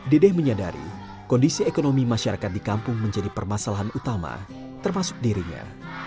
dede menyadari kondisi ekonomi masyarakat di kampung menjadi permasalahan utama termasuk dirinya